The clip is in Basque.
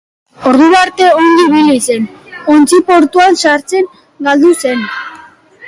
Ordura arte ongi ibili zen ontzia portuan sartzean galdu zen.